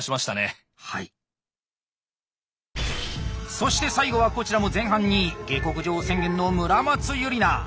そして最後はこちらも前半２位「下克上宣言」の村松憂莉奈。